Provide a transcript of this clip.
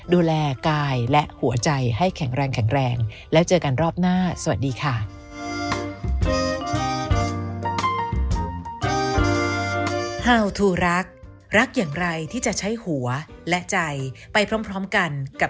ดูแลกายและหัวใจให้แข็งแรงแข็งแรงแล้วเจอกันรอบหน้าสวัสดีค่ะ